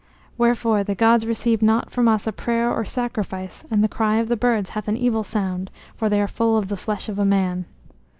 Wherefore the gods receive not from us prayer or sacrifice, and the cry of the birds hath an evil sound, for they are full of the flesh of a man.